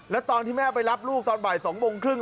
แล้วตอนที่แม่ไปรับลูกตอนบ่าย๒โมงครึ่ง